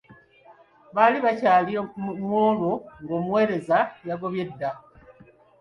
Baali bakyali mu olwo , ng'omuweereza yagobye dda.